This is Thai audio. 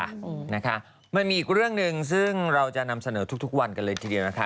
นะคะมันมีอีกเรื่องหนึ่งซึ่งเราจะนำเสนอทุกวันกันเลยทีเดียวนะคะ